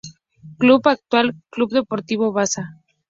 Club actual: Club Deportivo Baza.